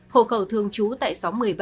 hộ khẩu thương chú tại xóm một mươi ba